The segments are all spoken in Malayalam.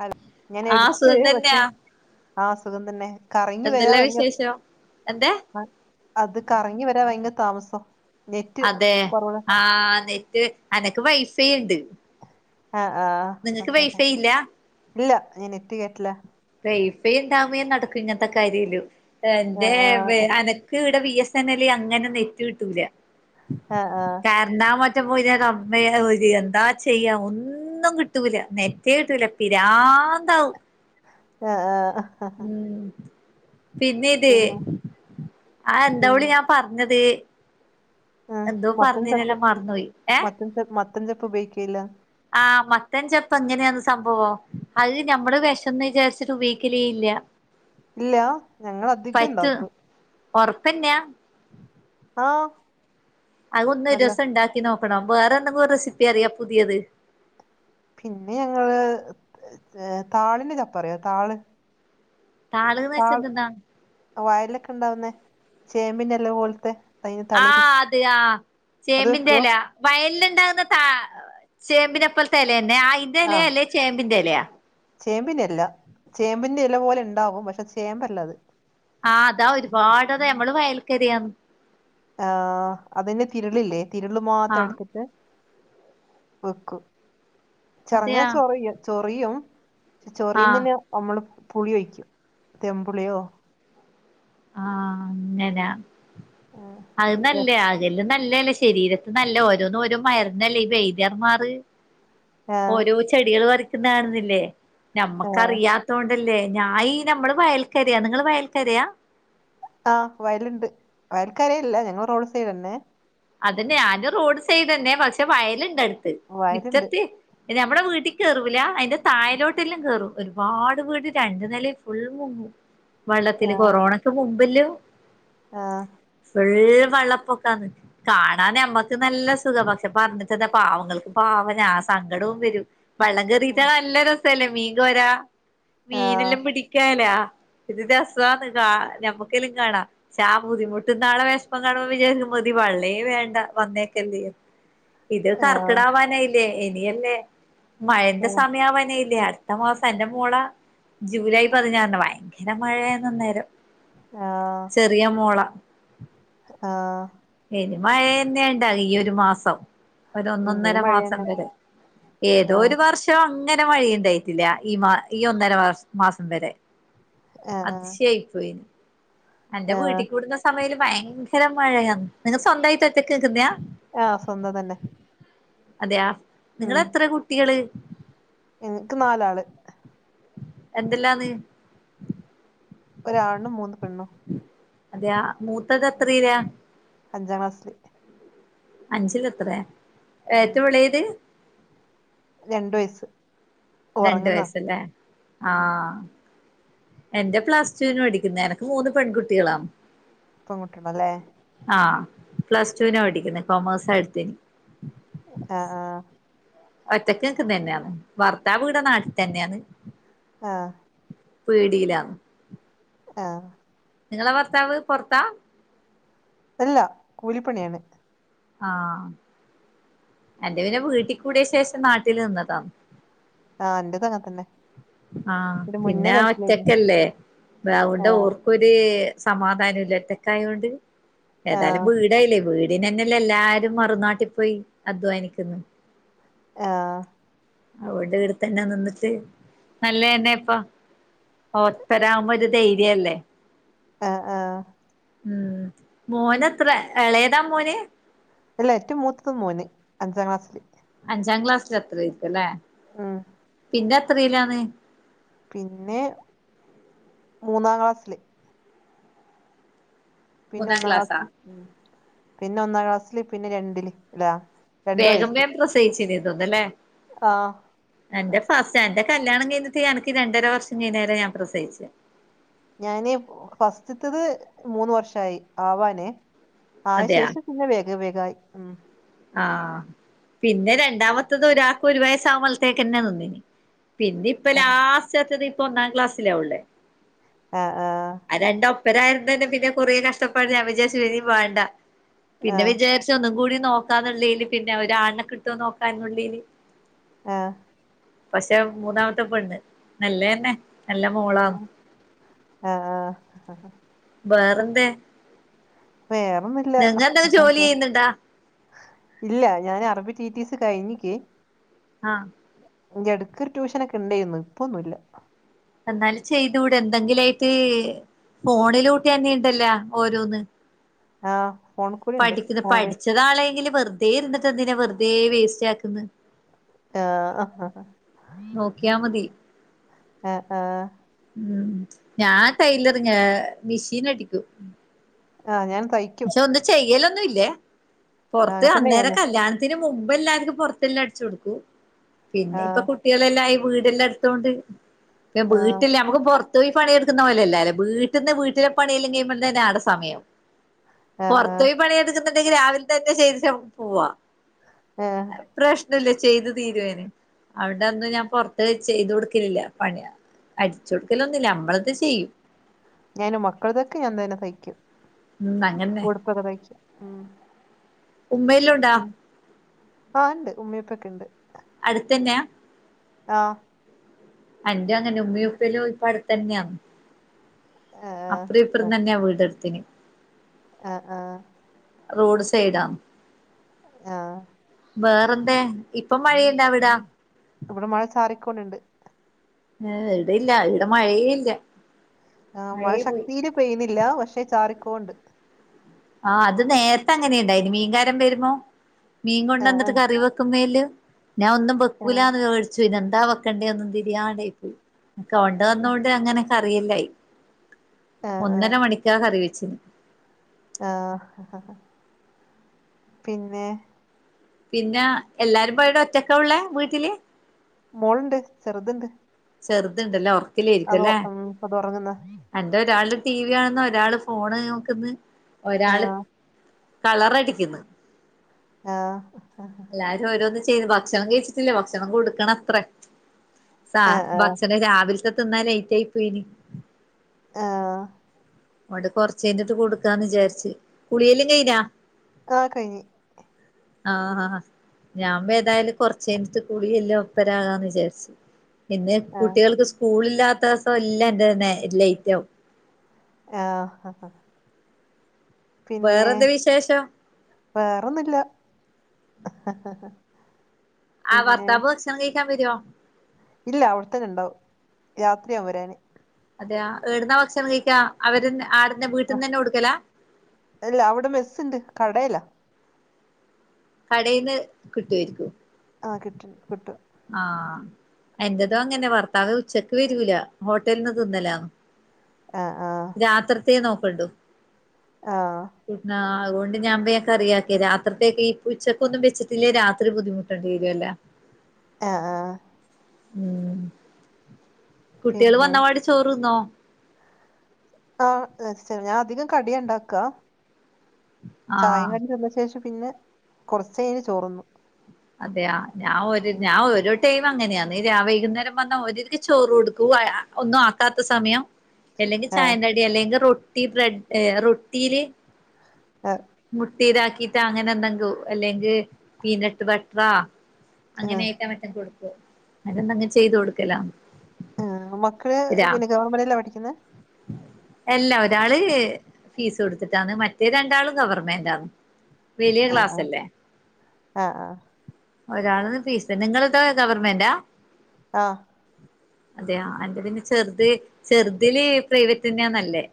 ഹല ഞാന് ആഹ് എടുത്ത് സുഖം പക്ഷെ തന്നെയാ ആ സുഖം തന്നെ കറങ്ങി വരാൻ എന്തെല്ലാ റെയ്ൻജ് വിശേഷം എന്തേ ആ അത് കറങ്ങി വരാ ഭയങ്കര താമസം നെറ്റ് അതെ കുറവ് ആ നെറ്റ് അനക്ക് വൈഫൈണ്ട് ആ ആ ഇല്ല ഇല്ല ഞൻ നെറ്റ് കേറ്റ്ല വൈഫൈ ഇണ്ടാകുമ്പഴേ നടക്കൂ ഇങ്ങൻത്തെ കാര്യല്ലു ആ എന്റെ വെ അന ക്ക് വ്ടെ വി എസ് എൻ എല് അങ്ങനെ നെറ്റ് കിട്ടൂല ആഹ് ആഹ് എന്നാ മറ്റേ പോയി കമ്മേ ഒര് എന്താ ചെയ്യാ ഒന്ന് ഒന്നും കിട്ടൂല നെറ്റേ കിട്ടൂല പിരാന്താവും. ആഹ് ആഹ്. ഉം പിന്നെ ഇത് ആ പിന്നെ എന്റവ്ടീം ഞ്ഞം പർഞ്ഞത് ആ മത്തൻ ചപ്പ് മറന്നുപോയി ഏഹ് മത്തൻ ചപ് മത്തൻ ചപ്പ് ഉപയോഗിക്കേല്ലാ. ആ മത്തൻ ചെപ്പ് എങ്ങനെയാന്ന് സംഭവം? അത് ഞമ്മള് വെഷംന്ന് വിചാരിച്ചിട്ട് ഉപയോഗിക്കലേല്ല്യ ഇല്ല്യാ ഞങ്ങളധികം ണ്ടാക്കും. ഒർപ്പന്നെയാ? ആഹ്. അതൊന്ന് ഒരസം ണ്ടാക്കി നോക്കണം. വേറെ എന്തെങ്കും റെസിപ്പി അറിയോ പുതിയത്? പിന്നെ ഞങ്ങള് ഏഹ് താളിന്റെ ചപ്പറിയോ താള്? താള്ന്ന് വെച്ചന്തെന്ന? വയൽലൊക്കെ ണ്ടാവുന്നേ ചേമ്പിന്റെല പോൽത്തെ ആ അത് ആ അത് വെക്കുവോ ചേമ്പിന്റെല. വയലിൽ ഇണ്ടാകുന്ന താ ചേമ്പിനെ പോൽത്തെലന്നെയാ അയിന്റെ എലേ അല്ലേ ചേമ്പിന്റെലയ ചേമ്പിന്റെഅല്ല ചേമ്പിന്റെ ഇല പോലെ ഇണ്ടാവും പക്ഷത് ചേമ്പല്ലത്. ആഹ് അതാ ഒരുപാടത ഞമ്മള് വയൽക്കരയാന്ന്. ആഹ് അതിന്റെ തിര്ളില്ലേ തിര്ള് മാത്രം ആഹ് എടുത്തിട്ട് വെക്കും ചെറങ്ങാ അതെയാ ചൊറിയും ചൊറിയും ആഹ് ചൊറിയുന്നേന് നമ്മള് പുളി ഒയിക്കും തെമ്പുളിയോ ആ അങ്ങനാ അത് ആഹ് നല്ലയാ. അതല്ലും നല്ലല്ലേ? ശരീരത്തിന്നല്ല ഓരോന്നും ഓരോ മര്ന്നല്ലേ ഈ വൈദ്യർമാറ് ആഹ് ഓരോ ചെടികള് വരക്കുണ്ടാണില്ലേ? നമ്മക്കറിയാ ത്തോണ്ടല്ലേ ഞാ ഈ നമ്മള് വയൽക്കരയാ നിങ്ങള് വയൽക്കരയാ? ആ വയല്ണ്ട് വയൽക്കരയല്ല ഞങ്ങള് റോഡ് സൈഡന്നെ. അതന്നെ ഞാനും റോഡ് സൈഡന്നെ പക്ഷെ വയല്ണ്ട്ടുത്ത് വയലുണ്ട് മിറ്റത്ത് പിന്നമ്മടെ വീട്ടി കേറൂല്ല അയിന്റെ തായലോട്ടെല്ലാം കേറും ഒരുപാട് വീട് രണ്ടു നിലേം ഫുൾ മുങ്ങും. വള്ളത്തില് ആഹ് കൊറോണക്ക് മുമ്പല്ലോം ആഹ് ഫുള്ള് വള്ളപ്പൊക്കാന്ന്. കാണാൻ ഞമ്മക്ക് നല്ല സുഖ പക്ഷെ പറഞ്ഞിട്ടന്താ പാവങ്ങൾക്കും പാവ ഞാ ആ സങ്കടോം വരും. വള്ളം കേറീച്ചാ നല്ല രസല്ലേ മീൻ കോരാ ആഹ് മീനെല്ലാം പിടിക്കാലാ എന്ത് രസാന്ന് കാ ഞമ്മുക്കെല്ലും കാണാ പക്ഷാ ബുദ്ധിമുട്ട്ന്നാളെ വെശ്മം കാണുമ്പോ വിചാര്ക്കും മതി വള്ള വേണ്ട വേണ്ട വന്നേക്കല്ലേ ഇത് ആഹ് കർക്കിടാവാനായില്ലേ ഇനിയല്ലേ മഴന്റെ ആഹ് സമയവാനായ്ല്ലേ? അട്ത്ത മാസം എന്റെ മോള ജൂലൈ പതിനാറിന് ഭയങ്കര മഴയാന്നന്നേരം. ആഹ്. ചെറിയ മോള ആഹ്. ഇനി മഴേന്നെണ്ടാകും ഈ ഒരു മാസം. ഉം ഇനി ഒരൊന്നൊന്നര മാസം മഴയന്നെ വരെ ഏതോ ആഹ് ഒരു വർ ഷം അങ്ങനെ മഴയിണ്ടായിട്ടില്ല ഈ മാ ഈ ഒന്നര വർ മാസം വരെ. ആഹ് അതിശ്യായി പോയീന്നു. എന്റെ ആഹ് വീട്ടി കൂടുന്ന സമേയില് ഭയങ്കര മഴയാ നിങ്ങ സ്വന്തായിട്ട് ഒറ്റക്ക് നിക്കുന്നയാ? ആ സ്വന്തം തന്നെ. അതയാ? നിങ്ങളെത്രേ കുട്ടികള്? എൻക്ക് നാലാള്. എന്തെല്ലാന്ന്? ഒരാണ്ണും മൂന്ന് പെണ്ണും. അതെയ മൂത്തത് എത്രീല അഞ്ചാം ക്ലാസ്സിൽ അഞ്ചില എത്രയ ഏറ്റവും ഇളയത് രണ്ടു വയസ്സ് രണ്ട് ഉറങ്ങുന്നാ വയസല്ലേ ഉം ആഹ് എന്റെ പ്ലസ് ടുവിന് പടിക്കുന്ന എനക്ക് മൂന്ന് പെൺകുട്ടികളാണ് പെൺകുട്ടികളല്ലേ ആ പ്ലസ്ടുവിന പഠിക്കുന്നെ കോമേഴ്സ എടുത്തനി ആഹ് ആഹ് ഒറ്റക്ക് നിക്കുന്ന തന്നെയാണ് ഭർത്താവിടെ നാട്ടിൽ തന്നെയാണ് ആഹ് പീടില ആഹ് നിങ്ങളെ ഭർത്താവ് പുറത്താ അല്ല കൂലിപ്പണിയാണ് ആഹ് എന്റെ പിന്നെ വീട്ടിക്കൂടിയ ശേഷം നാട്ടിൽ നിന്നതാ ആഹ് എന്റെത് അങ്ങെതന്നെ ആഹ് പിന്നെ ആ ഒറ്റക്കല്ലേ അവിടെ ആഹ് ഒരേ സമാധാനം ഇല്ലാഒറ്റക്കായോണ്ട് ഏതായാലും ആഹ് വി വടായില്ലേ വീടിനന്നല്ലേ എല്ലാരും മറുനാട്ടി പോയി അധ്വാനിക്കുന്നു ആഹ് അവടെ ഇടുത്തന്നെ നിന്നിട്ട് നല്ലതന്നെ ഇപ്പ ഓസ്റ്റലാവുമ്പോ ഒരു ധൈര്യഅല്ലേ ആഹ് ആഹ് ഉം മോന എത്ര ഇളയതാ മോന് അല്ല ഏറ്റവും മൂത്തത് മോന് അഞ്ചാം ക്ലാസ്സില് അഞ്ചാം ക്ലാസ്ത്രയിരികേ ആഹ് ഇത് ത്രയിലാണ് പിന്നെ മൂന്നാം ക്ലാസ്സില് പിന്നെ മൂന്നാം ഒന്നാം ക്ലാസ്സാ ക്ലാസില് ഉ പിന്നെ ഒന്നാം ക്ലാസ്സില് പിന്നെ രണ്ടില് അല്ലാ വേഗം വേഗം പ്രസയിച്ചിതോന്നല്ലേ ആഹ് തന്റെ ഫ എന്റെ കല്യാണം കഴിഞ്ഞിട്ട് എനിക്ക് രണ്ടര വർഷം കഴിഞ്ഞാല ഞാൻ പ്രസവിച്ച ഞാനെ ഫസ്റ്റത്തത് മൂന്ന് വർഷായി ആവാനെ ആയ അതെയാ ശേഷം പിന്നെ വേഗ വേഗായി ഉം ആഹ് പിന്നെ രണ്ടാമത്തത് ഒരാൾക്ക് ഒരു വയസ്സാകുമ്പോഴത്തേക്ക്തന്നെ പിന്നെ ഇപ്പ ലാസ്റ്റ്ത്തത് ഇപ്പ ഒന്നാം ക്ലാസ്സിലാള്ളേ ആഹ്‌ ആഹ്‌ രണ്ടു ഒപ്പരായിരു തന്നെ പിന്നെ കുറ കഷ്ടപ്പാട് ഞാൻ വിജാരിച്ചുപിന്നെ വാണ്ട പിന്നെ ആഹ് വിജാരിച്ച് പക്ഷെ ഒന്നും കൂടി നോക്കാന്നുള്ളല് പിന്നെ ഒരാണിനെ കിട്ടും നോക്കാന്ന [unintelligible] ആഹ് പക്ഷെ മൂന്നാമത്തെ പെണ്ണ് നെല്ല തന്നെ നല്ല മോളാന്ന ആഹ് ആഹ് വേറെന്തേ വേറൊന്നില്ല നിങ്ങെന്തെങ്കിലും ജോലി ചെയ്യുന്നുണ്ടാ ഇല്ല ഞാൻ അറബി ടി ടി സി കഴിഞ്ഞക്ക് ആഹ് ഇ ഇടക്ക ഒരു ട്യൂഷനൊക്കെ ഉണ്ടായിന്ന് ഇപ്പൊന്നുല്ല എന്നാല് ചെയ്തൂടെ എന്തെങ്കിലായിട്ട് ഫോണിലൂട്ടി തന്നെ ഉണ്ടല്ലോ ഓരോന്ന് ആഹ് ഫോൺ കൂലുണ്ട് ഫോണില് ഉം നാളെങ്കില് വെറുതെ ഇരിട്ട് എന്തിനാ വെറുതെേ വേസ്റ്റ് ആക്കുന്നു ആഹ് ആഹ് നോക്കിയാ മതി ആഹ് ആഹ് ഉം ഞാൻ ടൈലറിങ് മെഷീൻ അടിക്കും ആഹ് ഞാൻ തയ് പക്ഷെ ഒന്നും ചെയ്യലൊന്നുല്ലേ പൊറത്ത് അങ്ങനെ തന്നെ അന്നേര ഞാനും കല്യാണ ത്തിന് മുമ്പ് എല്ലാര്ക്കും പൊറത്തെല്ലാം അടിച്ചു കൊടുക്കും പിന്നെ ഇപ്പൊ ആഹ് കുട്ട് കുട്ടികളെല്ലായി വീടെല്ലാം എടുത്തോണ്ട് [unintelligible] ആഹ് വീട്ടില് നമുക്ക് പൊറത്ത് ത്തോയി പണിയെടുക്കുന്ന പോലെ അല്ലാല്ലോ വീട്ട്ന്ന് വീട്ടിലെ പണിയെല്ലം കിഴിയുമ്പ തന്നെ ആടെ സമയാവും ആഹ് ആഹ് പൊറത്തോയി പണിയെടുക്കുന്നുണ്ടെങ്കില് രാവിലെ തന്നെ ചെയ്തിട്ട് നമ്മക്ക് പോവാ ആഹ് പ്രശ്ന ഇല്ല ചെയ്ത് തീരുവയിന് അതുകൊണ്ടന്ന് ഞാൻ പൊറത്ത് ചെയ്ത് കൊടുക്കലില്ല പണിയാ അടിച്ച് കൊടുക്കലൊന്നുല്ല നമ്മളത് ചെയ്യും ഞാന് മക്കളതൊക്കെ ഞാൻ തന്നെ തയ്ക്കും ഉം അങ്ങനെ ഉടുപ്പൊക്കെ തയ്ക്കും ഉം ഉമ്മയിലൊണ്ട് ഉം ആഹ് ഇണ്ട് ഉമ്മയുപ്പൊക്കെ ഇണ്ട് അടുത്തെന്നെയാ ആഹ് അന്റെ അങ്ങനെയാ ഉമ്മയുപ്പല്ലാം ഇപ്പ അടുത്തെന്നെയാണ് ആഹ് അപ്പറേം ഇപ്പറേം തന്നെയാ വീടെടുത്തിന് ആഹ് ആഹ് റോഡ് സൈഡാ ആഹ് വേറെന്താ ഇപ്പം മഴയുണ്ടാവിടാ? ഇവിടെ മഴ ചാറിക്കോണ്ട്ണ്ട് ഏഹ് ഇവിടയില്ല ഇവിടെ മഴയേ ഇല്ല ആഹ് മഴ മഴയേ പോയി ശക്തിയില് ചെയ്യുന്നില്ല പക്ഷെ ചാറിക്കോണ്ട് ആഹ് അത് നേരത്തെ അങ്ങനെയാ ഇണ്ടായിന് മീൻകാരൻ വെരുമ്മം മീൻ ആഹ് കൊണ്ടന്നിട്ട് കറി വെക്കുന്നേല്ലു ഞാൻ ഒന്നും ആഹ് ബെക്കൂലാന്ന് [unintelligible] ച്ചു പിന്നെന്താ വെക്കണ്ടേന്ന് തിരിയാണ്ടായി പോയി കൊണ്ട വന്നോണ്ട് അങ്ങനൊക്ക കറിയെല്ലായി ആഹ് ഒന്നര ആഹ് മണിക്കാ കറി വെച്ചിന് ആഹ് പിന്നെ പിന്നെ എല്ലാരും പോയിടെ ഒറ്റക്കാ ഇള്ളേ വീട്ടില് മോളുണ്ട് ചെറുതുണ്ട് ചെറുത് ഇണ്ട്ല്ലേ അതോ ഒറക്കിലായിരിക്കുല്ലേ ഉം അത് ഉറങ്ങുന്ന അൻ എന്താ ഒരാള് ടി വി കാണ്ന്ന് ഒരാള് ഫോണ് നോക്ക്ന്ന് ഒരാള് ആഹ് കളർ അടിക്കുന്ന് ആഹ് എല്ലാരും ഓരോന്നും ചെയ്യ്ന്നു ഭക്ഷണം കഴിച്ചിട്ടില്ല ഭക്ഷണം കൊടുക്കണത്രേ സാ ആഹ് ആഹ് ഭക്ഷണം രാവിലത്തെ തിന്നാ ലേറ്റ് ആയി പോയിന് ആഹ് ആണ്ട് കൊറച്ച് കഴിഞ്ഞിട്ട് കൊടുക്കാന്ന് വിചാരിച്ച് കുളിയെല്ലം കയിഞ്ഞാ ആഹ് കയിഞ്ഞ് ആഹ് ആഹ് ഞാൻ [unintelligible] ഏതായാലും കൊറച്ചയിഞ്ഞിട്ട് കൂളിയെല്ലാം ഒപ്പരാകാന്ന് വിചാരിച്ച് പിന്നെ ആഹ് കുട്ടികൾക്ക് സ്കൂളില്ലാത്ത ദിവസം എല്ലാ എന്റെ നെ ലേറ്റ് ആവും ആഹ് ആഹ് ആഹ് പിന്നെ വേറെന്ത വിശേഷം വേറൊന്നും ഇല്ല ആ ഭർത്താവ് ഭക്ഷണം കഴിക്കാൻ വര്വോ ഇല്ല അവിടെത്തന്നെ ഉണ്ടാവും രാത്രിയാവും വരാന് അതെയ ടുന്ന ഭക്ഷണം കഴിക്കാ അവര് ആടിന്ന വീട്ടിൽ നിന്ന് തന്നെ കൊടുക്കല അല്ല അവിടെ മെസ്സ് ണ്ട് കടേലാ കടേന്ന് കിട്ടുമായിരിക്കും ആഹ് കിട്ട കിട്ടും ആഹ് എന്റെതു അങ്ങനെ ഭർത്താവ് ഉച്ചക്ക് വരൂല ഹോട്ടലിനിന്ന് തിന്നലാന്ന് ആഹ് ആഹ് രാത്രിത്തെ നോക്കണ്ടു ആഹ് അതൊണ്ട് ഞാൻവേഗം കറിയാക്കി രാത്രിത്തേക്ക് പ്പ ഉച്ചക്കൊന്നും വെച്ചിട്ടില്ലേ രാത്രി ബുദ്ധിമുട്ടേണ്ടി വരൂലല്ല ആഹ് ആഹ് ഉ കുട്ടികള് പിന്നെ വന്നപാടി ചോറ്ന്നോ ആഹ ശരി ഞാൻ അധികം കടിയാ ണ്ടാക്കാ ചായേം ആഹ് കടീം തിന്ന ശേഷം പിന്നെ കുറച്ചഴ്ഞ്ഞ് ചോണുണ്ണൂ അതെയ ഞാൻ ഒരു ഞാൻ ഒരു ടൈം അങ്ങനെയാണ് വൈകുന്നേരം വന്ന ഓരിക്ക് ചോറ് കൊടുക്കൂ ഒന്നും ആക്കാത്ത സമയം അല്ലെങ്കിൽ ആഹ് ചായക്കടി അല്ലെങ്കിൽ റൊട്ടി ബ്രെഡ് റൊട്ടീല് അഹ് മുട്ടിതാക്കിട്ട് അങ്ങനെ എന്തെങ്കോ അല്ലെങ്കിൽ പീനട്ട് ബട്ടറാ ആഹ് അങ്ങനേക്ക മക്കക്കൊടുക്കും അതൊണ്ടങ്ങ് ചെയ്തു കൊടുക്കല ആ മക്കള് പിന്നെ ഗവൺമെന്റ്ല പഠിക്കുന്നെ എല്ലാ ഒരാള് ഫീസ് കൊടുത്തിട്ടാണ് മറ്റേ രണ്ടാളും ഗവൺമെന്റാണ് വലിയ ക്ലാസ് ആഹ് അല്ലെ ആഹ് ആഹ് ഒരാളത് ഫീസ് നിങ്ങളത് ഗവർമെന്റാ ആഹ് അതെയ എന്റെ പിന്നെ ചെറുത് ചെറുതില് പ്രൈവറ്റ് തന്നെയാന്നല്ലേ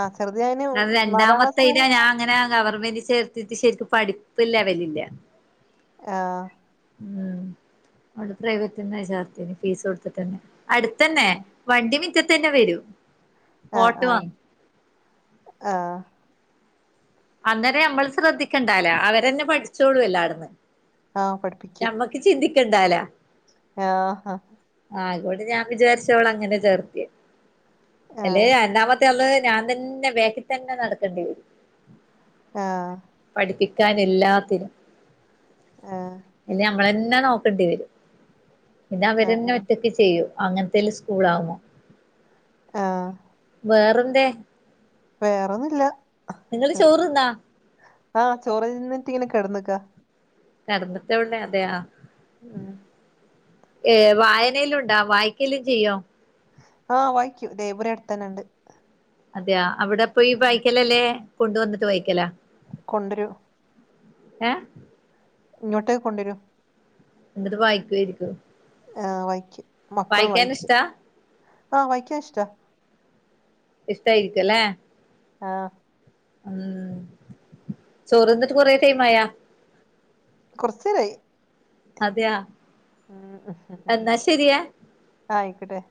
ആഹ് ചെറുത് ഞാന് അത് നാലാം ക്ലാസ് രണ്ടാമത്തെ ഇത് വരെ ഞാ നങ്ങനാ ഗവൺമെന്റി ചേർത്തിട്ട് ശരിക്കും പഠിപ്പ് ലെവലില്ല ആഹ് ഉം നമ്മള് പ്രൈവറ്റെന്ന ചേർത്തീന് ഫീസ് കൊടുത്തിട്ടന്നെ അടുത്തന്നെ വണ്ടി മിറ്റത്തന്നെ വരും ആഹ് ഓട്ടോ ആഹ് ആണ് ആഹ് അന്നേരെ നമ്മള് ശ്രദ്ധിക്കേണ്ടല്ലെ അവരെന്നെ പഠിച്ചോളൂല്ലാടന്ന് ആഹ് പഠിപ്പിക്കും ക്ക് ചിന്തികണ്ടാല്ലെ ആഹ് ആഹ് ആയിക്കോട്ടെ ഞാൻ വിചാരിച്ചവളെ അങ്ങനെ ചേർത്തിയെ അല്ലെ ആഹ് രണ്ടാമത്തെ ള് ഞാൻ തന്നെ ബേക്കിൽ തന്നെ നടക്കേണ്ടി വരും ആഹ് പഠിപ്പിക്കാൻ എല്ലാത്തിനും ഇനി നമ്മളന്നനോക്കേണ്ടി വരും ഇത് ആഹ് അവരന്നെ ഒറ്റക്ക് ചെയ്യൂ അങ്ങനത്തേല് സ്കൂളാമോ ആഹ് വേറെന്തേ വേറൊന്നുല്ല നിങ്ങള് ചോറ്ന്നാ ആഹ് ചോറ്ന്നിട്ട്ങ്ങനെ കെടന്ന്ക്കാ കെടന്നിട്ടവിടെ അതെയാ ആഹ് ഏ വായനയെല്ലുണ്ടാ വായിക്കല് ചെയ്യോ ആഹ് വായിക്കും ലേബറി അടുത്തന്നെണ്ട് അതെയാ അവിടെ പോയി വായ്കകലല്ലേ കൊണ്ടുവന്നിട്ട് വയ്ക്കലാ കൊണ്ടരും ഏഹ് ഇങ്ങോട്ട് കൊണ്ടരോ ന്നിട്ട് വായിക്കുവേരിക്കും ആഹ് വയ്ക്കും മക്കളും വായിക്കും ഇഷ്ടാ ആഹ് വായിക്കാഷ്ടാ ഇഷ്ടായിരിക്കുവല്ലേ ആഹ് ഉം ചോറ്ന്നിട്ട് കൊറേ ടൈമായാ കൊറച്ചേരായി അതെയാ ഉം ഉഹ്ഹ് എന്നാ ശരിയേ ആയിക്കട്ടെ